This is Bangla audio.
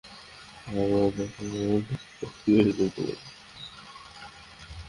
আমায় দরজা বন্ধ করে ভিতরে যেতে বলে।